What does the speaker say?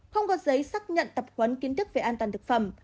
không có giấy xác nhận tập huấn kiến thức về an toàn thực phẩm